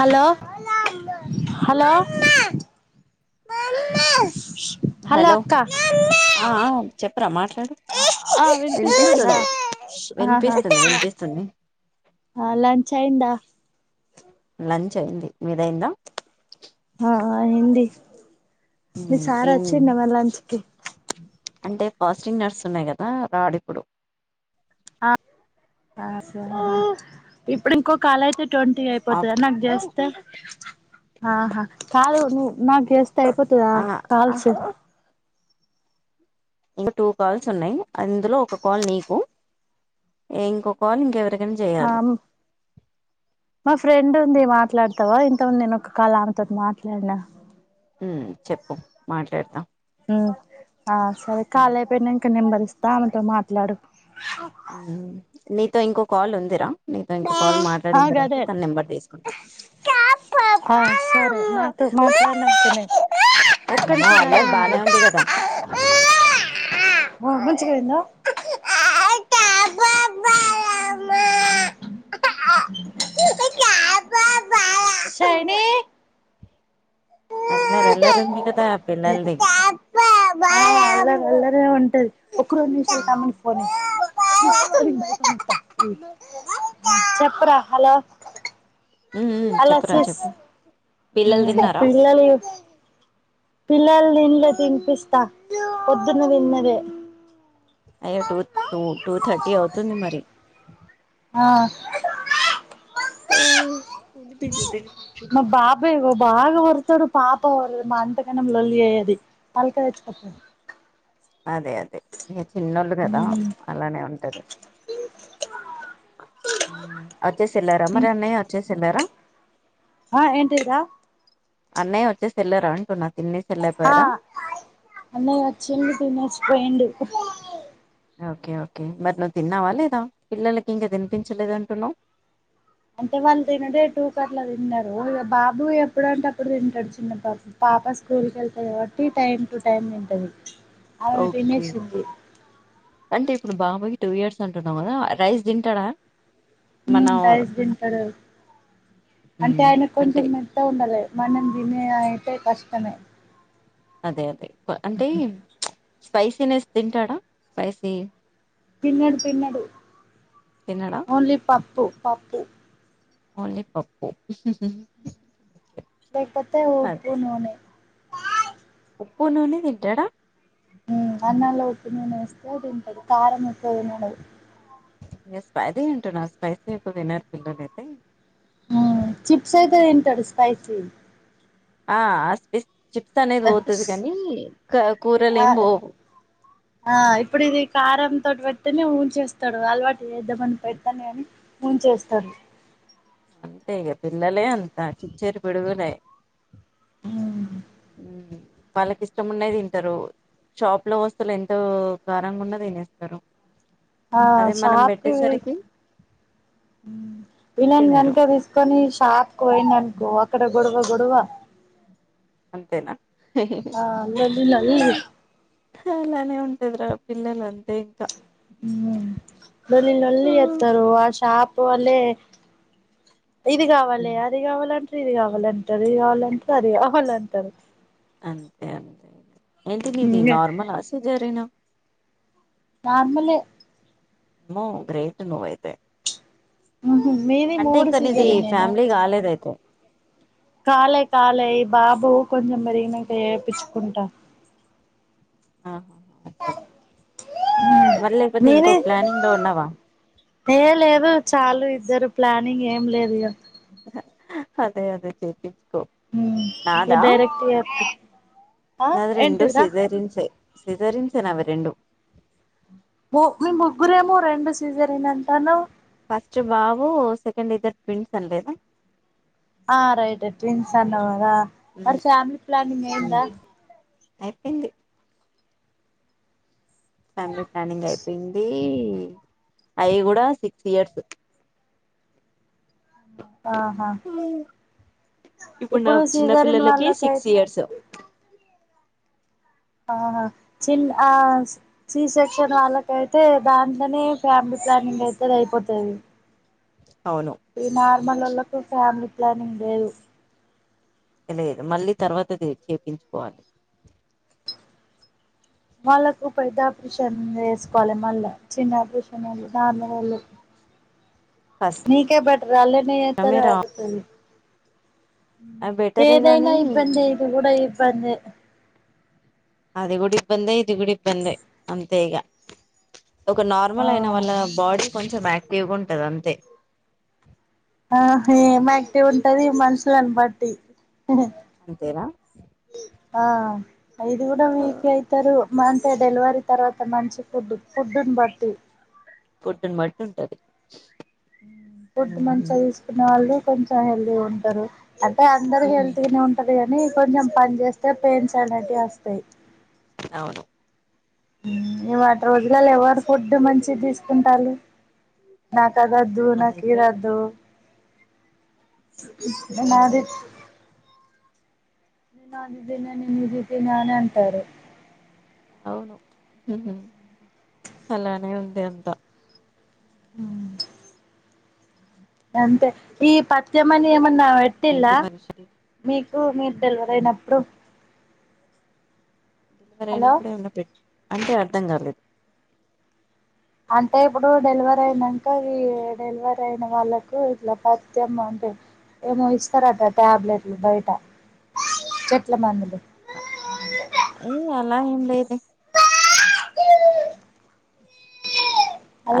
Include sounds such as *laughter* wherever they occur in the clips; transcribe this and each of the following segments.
Hello hello hello అక్కా ఆ ఆ చెప్పరా మాట్లాడు వి వినిపిస్తుంది వినిపిస్తుంది వినిపిస్తుంది లంచయింటా లంచ్ అయింది మీది అయిందా ఆ హిందీ మీ ఉమ్ సారు ఏం వచ్చిండా మళ్ళ లంచ్ కి అంటే ఫాస్టింగ్ నర్స్ ఉన్నాయి కదా రాడు ఇప్పుడు ఆ ఇప్పుడు ఇంకో కాల్ అయితే ట్వంటీ ఆఫ్ అయిపోతదా నాకు చేస్తే ఆహా కాదు నువ్వు నాకు చేస్తే సరిపోతదా ఆ కాల్స్ ఇంక టూ కాల్స్ ఉన్నాయి అందులో ఒక కాల్ నీకు ఇంకొ కాల్ ఇంకెవరి ఆ మా ఫ్రెండ్ ఉంది మ్యామ్ మాట్లాడతావా ఇంతముంది నేను ఒక్క కాలు ఆమెతో ని మాట్లాడినా ఉమ్ చెప్పు మాట్లాడతాం ఆ ఉ సరే కాల అయిపోయి నంక నంబరిస్తా ఆమెతో మాట్లాడు ఉ నీతో ఇంకో కాల్ ఉందిరా నీతో ఇంకో కాల్ ఆ మాట్లాడిన గదే తర్వాత తన నెంబర్ తీసుకుంటా మాట్లాడినా అక్క అమ్మో అల్లరి బానే ఉంది కదా మంచి గా *inaudible* అకా బబామా శని అల్లరి అల్లరి ఉంది. కదా పిల్లలది ఆ అల్లరి అల్లరే ఉం టది. ఒక్క రెండునిమిషాలు ఉమ్ తమ్మునికి ఫోన్ ఇయి. చెప్పరా హలో. ఉమ్ హలో చెప్పురా సిస్ చెప్పు పిల్లలు హ్ తిన్నారా పిల్లలు పిల్లలు తిన్లే తినిపిస్తా పోద్దున తిన్నదే. అయ్యో టు టూ టూథర్టీ అవుతుంది మరి. ఆ ఆ ఏంది *inaudible* బే ఇగ బాగ వొర్రుతడు, పాప వొర్ర అంతగనం లోల్లి చెయ్యది. పలక తెచ్చుకోపో. అదే అదే ఇగ చిన్నోళ్ళు కదా అలానే ఉంటది. హ్ అచ్చేసి ఎల్లారా మరి అన్నయ్య అచ్చేసేల్లార. ఆ ఏంటిదిరా. అన్నయ్య వచ్చేసి ఎల్లరా అంటున్నా. తినేసి ఆ వెళ్ళిపోయారా అన్నయ్య వచ్చిండు తినేసిపోయిండు. ఓకే ఓకే మరి నువ్వు తిన్నావా లేదా. పిల్లలకి ఇంకా తినిపించలేదంటున్నవు. అంటే వాళ్ళు తినుడే టూ కట్ల తిన్నరు. ఇగా బాబు ఎప్పుడు అంటే అప్పుడు తింటడు. చిన్న బాబు పాప స్కూల్కు వెళ్తది కాబట్టి టైం టు టైం తింటది. ఆమే ఓకే తినేసింది. అంటే ఇప్పుడు బాబుకి టూ ఇయర్స్ అంటున్నవు కదా రైస్ తింటడా. హ్ రైస్ తింటడు. అంటే మ్ ఆయనకు అంటే కొంచెం మెత్తగా ఉండాలె. మనం తినేదయితేే కష్టమే. అదే అదే ప అంటే చ్ స్పైసీనెస్ తింటాడా స్పైసీ తిన్నడు తిన్నడు తినడా ఓన్లీ ప ప్పు పప్పు. ఓన్లి పప్పు. లేకపోతే ఉప్పు అదే నూనె. ఉప్పు నూనె తింటడా. హ్ అన్నంలో ఉప్పు నూనేస్తే తింటడు కారం ఎక్కువ తినడు. ఇయన స్పైసీ తింటడా స్పైసి ఎక్కువ తినరు పిల్లలు అయితే. ఊ చిప్స్ అయితే దింటడు స్పైసీ ఆ అస్థిత్ చిప్స్ అనేది పోతది క కానీ కూరలు ఆ ఏం పోవు ఆ ఇప్పుడు ఇది కారంంతోటి పెడతనే ఊంచేస్తాడు అలవాటు ఎద్ద పని పెడతను అని ఊంచేస్తాడు అంతే ఇక పిల్లలే అంతా చిచ్చరి పిడుగులే ఊ వాళ్ళకి ఇష్టం ఉన్నయ్ తింటరు షాప్ లో వస్తులు ఎంతో కారంగా ఉన్న తినేస్తారు ఆ అదే మనం షాప్కి ఊ పెట్టేసరికి విన నన్ తినరు వెనక తీసుకొని షాక్ పోయినన్ గోవక్కడ గొడవ గొడవ అంతేనా ఆ లొల్లి లొల్లీ అలానే ఉంటది రా పిల్లల అంతే ఇంకా ఊ లొల్లి ఉ లొల్లి ఎత్తారు ఆ షాప్ పోలే ఇది కావాలి అది కావాలంట్రూ ఇది కావాలంటరు ఇది కావాలంటరు అది కావాలంటారు అంతే అంతే ఇగ ఏంటి నీది నార్మల్ ఆ సిజరనా నార్మల్ ఏ ఆమ్మో గ్రేట్ నువయితే ఉహు మీది అంటే మూడు ఇంకా నీది సీజరినేనా ఫ్యామిలీ కాలేద్ అయితే కాలే కాలే ఈ బాబు కొంచెం పెరిగినంక చేపించుకుంటా ఆహా అచ్చ అచ్చ మరి లేకపోతే ఇంకో మీని ప్లానింగ్ లో ఉన్నావా ఏ లేదు చాలు ఇద్ ఇద్దరు ప్లానింగ్ ఏం లేదు ఇగ అదే అదే చేేపిచ్ ఊ ఇగ డైరెక్ట్ ఎప్పు నాద రెండూ సీజరిన్ సే సిజెరియన్స్ ఏ నావి రెండు ము మీ ముగ్గురేమో రెండు సీజరన్ అంటన్నవ్ ఫస్ట్ బావు సెకెండ్ ఇద్దరు ట్విన్స్ అన్లేదా ఆ రైట్ ట్విన్స్ అన్నవ్ కదా మరి ఫ్యామిలీ ప్లనింగ్ ఐందా ఐప్పంది ఫ్యామిలీ ప్లానింగ్ అయిపోయింది అవి కూడా సిక్స్ ఇయర్స్, ఆహా ఇప్పుడు నా చిన్న సీజరిన్ పిల్లలకి వాళ్ళకై సిక్స్ ఇయర్స్, ఆహా చిన్న సి సెక్షన్ వాళ్ళక అయితే దాంట్లోనే ఫ్యామిలీ ప్లానింగ్ అప్పుడే అయిపోతది. అవును ఇ నా మళ్ళ వాళ్లకు ఫ్యామిలీ ప్లానింగ్ లేదు, లేదు మళ్ళీ తర్వాత చేపించుకోవాలి. వాళ్ళకు పెద్ద ఆపరేషన్ వేసుకోవాలి మళ్ళా చిన్న ఆపరేషన్ వాళు నార్మల్ వోళ్ళు, కష్టమే సికే గట్ వాళ్లనే వేతారు రా కాబట్టి, బెటరే ఏదైనా గాని ఇబ్బందె, ఇది కూడా ఇబ్బందె, అది కూడా ఇబ్బందె, ఇది కూడా ఇబ్బందె అంతే ఈగ ఒక ఆ నార్మల్ అయిన వాళ్ళ బాడీ, కొంచెం ఆక్టివ్ గా ఉంటది అంతే, ఆ ఏం ఆక్టివ్ ఉంటది మనుషులను బట్టి, అంతేనా ఆ ఐదు కూడా పోతారు. అంతే డెలివరీ తర్వాత మంచి ఫుడ్ ఫుడ్డును బట్టి, ఫుడ్ ని బట్టి ఉంటది. బెడ్డు మంచిగా ఉమ్ తీసుకునే వాళ్ళు, కొంచెం హెల్తీగా ఉంటారు. అంటే అందరు హెల్త్ గానే ఉంటారు. కాని కొంచెం పని చేస్తే పెయిన్స్ అనేవి వస్తాయి. *unintelligible* ఇవాటి రోజులలో ఎవరు ఫుడ్ మంచి తీసుకుంటాలు, నాకు నాకు ఆది వద్దు, నాకు అదైతే ఇది వద్దు ఉంది అదే నాది నేను నాన్న బిడ్డ ని కానీ ని బిడ్డ నానే అంటారు. అవును అలానే ఉంది అంతా, ఉ అంతే ఈ పత్యంమని ఎం ఆ ఎత్తుల్లా ఏంటి మనిషిది ఇ మీరు డెలివరి అయినప్పుడు, డెలివరీ హలో అయినపుడు ఏమిటి, అంటే అర్థం కాలేదు, అంటే ఇప్పుడు డెలివరీ అయినాక ఈ డెలివరీ అయిన వాళ్ళలకు ఇట్లా పత్యం అంటే ఏమో ఇస్తారట టాబ్లెట్లు బయట చెట్ల మందులు, ఎ అలా ఏం లేదు.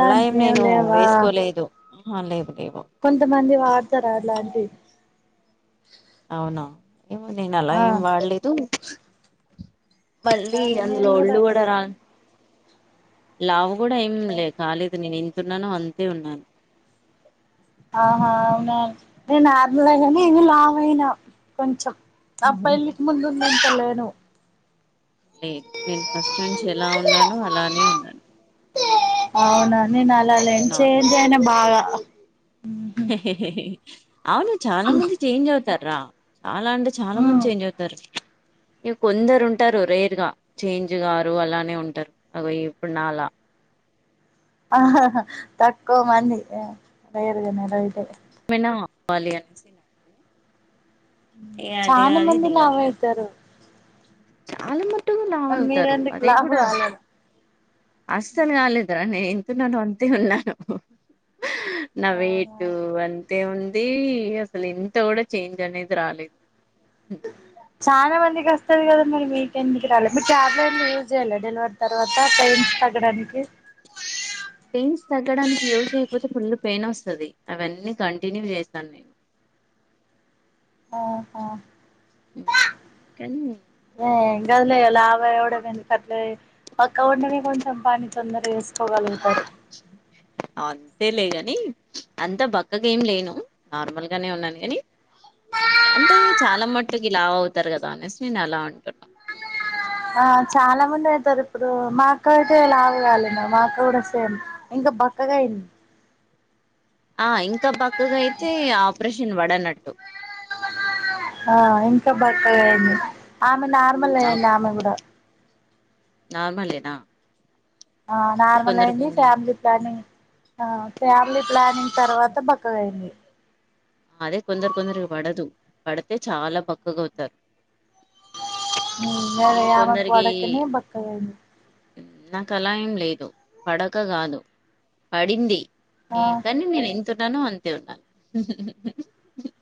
అలా ఏం నేను లేవా వేసుకోలేదు హా లేవు లే కొంతమంది వాడతారు అలాంటివి అవునా ఏమో నేను అలా ఆ ఏం వాడలేదు వళ్లిీ అందులో ఉళ్ళు కూడా రాదు లావు కూడాఏం కాలే దు నేను ఏం తున్నాను అంతే ఉన్నాను ఆహా అవునండి నేను నర్మలే కానీ ఇవి లావ అయినాం కొంచెం అప్ప అవునా పెళ్ళి కి ముందు ఉందింతల నేను లేదు నేను ఫస్ట్ నుంచి ఎలా ఉన్నాను అలానే ఉన్నాను అవునండి నేను అలాలేను చేంజ్ అయినా బాగా ఉహు హేహేహే అవును చాలా మంది చేంజ్ అయితరూ తరు రా చాలా అంటే చాలా మంది ఉమ్ చేంజ్ అవుతారు ఇగ కొందరు ఉంటారు రేర్ గా చేంజ్ గారు అలానే ఉంటారు అగో ఇప్పుడు నాలా ఆ తక్కువ మంది రేర్ గానే రైట్ ఏ *unintelligible* ఇగ అది చాలా కాదు మంది ఇది కాదు లావు అవుతారు చాలా మట్టుకు లావు అవుతారు మీరెందుకు అదే లావు కూడా కాలేదు అసలు కాలేదు రా నేను ఎంత ఉన్నానో అంతే ఉన్నాను నా అవునా వైట్ అంతే ఉంది అసలు ఇంత కూడా చేంజ్ అనేది రాలేదు చాలా మందికి వస్త వస్తుంది కదా మీరు మీకు ఎందుకు రాలే మీరు టాబ్లెట్స్ యూస్ చేయలే డెలివర్ తర్వాత పెయిన్స్ తగ్గడానికి పెయిన్స్ తగ్గడానికి యూస్ చేయకపోతే ఫుల్ పెయిన్ వస్తుంది అవన్నీ కంటిన్యూ చేశాను నేను అహా హా కానీ ఏం కాదులే లావు అవ్వడం ఎందుకు అట్లే బక్క ఉంటేనే కొంచెం పని తొందర చేసుకోగలుగుతం అంతే లే ని అంతా బక్కగా ఏం లేను నార్మల్ గానే ఉన్నాను కాని అంటే చాలా మటికి లావు అవుతారు కదా మానస్వి నేను అలా అంటున్నా. ఆ చాలా మంది సార్ ఇప్పుడు మా అక్క అయితే లావు కాలే మా అక్క కూడా సేమ్ ఇంకా బక్కగా అయింది ఆ ఇంకా బక్కగా అయితే ఆపరేషన్ పడనట్టు ఆ ఇంకా బక్కగా అయింది ఆమె నార్మల్ అయింది ఆమె కూడా నార్మల్ ఏనా ఆ నార్మల్ అయింది ఫ్యామిలీ ప్లానింగ్ ఆ ఫ్యామిలీ ప్లానింగ్ తర్వాత బక్కగా అయింది అదే కొందరు కొందరి పడదు పడితే చాలా బక్కగా అయితారు వఇగ ఆమెకు కొందరికి పడకనేే బక్కగా అయింది నాకు అలా ఏం లేదు పడక కాదు పడింది ఏ కాని గాను అంతే ఇంక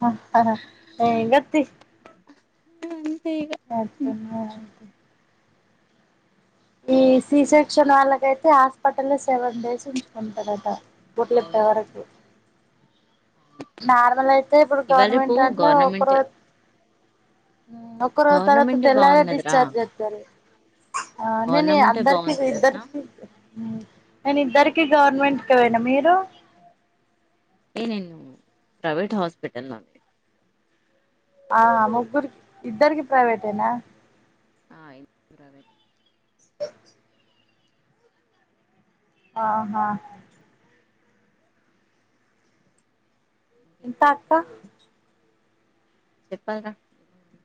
ఆ తర తరగతి అంతే ఇగ అ ఈ సి సెక్షన్ వాళ్లకయి హాస్పిటల్ లో సెవెన్ డేస్ ఉంచుకుంటారట కుట్లు అవును ఇప్పేవరకు అవును నార్మల్ అయితే ఇప్పుడు ఇవాళ రేపు గవర్నమెంట్ దాంట్లో ఒకరు గవర్నమెంటే ఒక్క రోజు తర్వాత గవర్నమెంటే తెల్లాల బాగున్నదిరా డిశ్చార్జ్ చేస్తారు ఆ నేను గవర్నమెంటే అందరికి బాగుంది తెలుసా ఇద్దరికి నేను ఇద్దరికి గవర్నమెంట్ పోవాలే మీరు అంటే నేను ప్రైవేట్ హాస్పిటల్ ఆ ముగ్గురుకి ఇద్దరికి ప్రైవేటేనా ఆ ఇద్దర స ఆహా ఇంకెంటి ఇంకా అక్క విష్యలు చెప్పాలీరా ఏముంది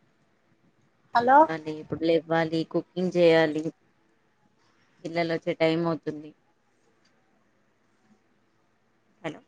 హలో అన్నీ ఇప్పుడు లే అవ్వాలి కుకింగ్ చేయాలి పిల్లలు వచ్చే టైం అవుతుంది హలో